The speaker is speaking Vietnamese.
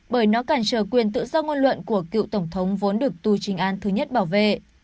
bởi nó cản trở quyền tự do ngôn luận của cựu tổng thống vốn được tu trình an thứ nhất bảo vệ